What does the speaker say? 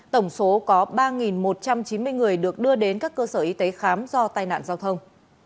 tổng số có ba một trăm chín mươi người được đưa đến các cơ sở y tế khám do tai nạn giao thông